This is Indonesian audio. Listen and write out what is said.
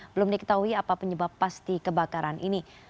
belum diketahui apa penyebab pasti kebakaran ini